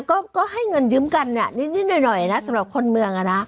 ก็ให้เงินยืมกันนิดหน่อยสำหรับคนเมืองนะ